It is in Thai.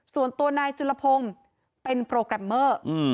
ส่วนตัวนายจุลพงศ์เป็นโปรแกรมเมอร์